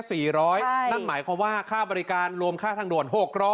นั่นหมายความว่าค่าบริการรวมค่าทางด่วน๖๐๐